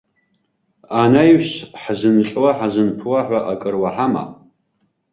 Анаҩс ҳзынҟьо-ҳзынԥо ҳәа акыр уаҳама?